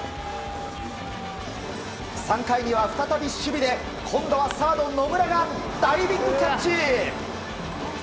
３回には再び守備で今度はサード、野村がダイビングキャッチ！